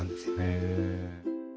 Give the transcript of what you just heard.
へえ。